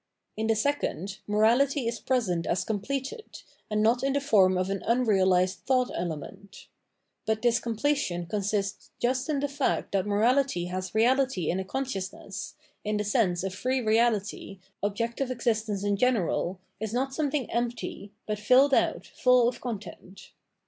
In the second, morality is present as completed, and not in the form of an unrealised thought element. But this completion consists just in the fact that morality has reality in a consciousness, in the sense of free reality, objective exist ence in general, is not something empty, but filled out, full of content.